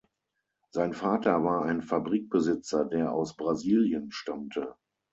Sein Vater war ein Fabrikbesitzer, der aus Brasilien stammte.